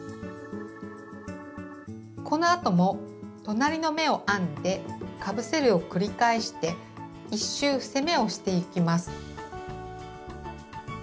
このあとも隣の目を編んでかぶせるを繰り返して１周伏せ目をしていきます。